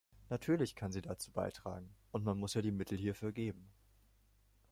Natürlich kann sie dazu beitragen, und man muss ihr die Mittel hierfür geben.